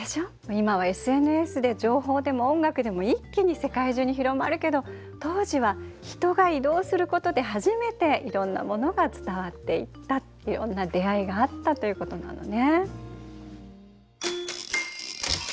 今はＳＮＳで情報でも音楽でも一気に世界中に広まるけど当時は人が移動することで初めていろんなものが伝わっていったいろんな出会いがあったということなのね。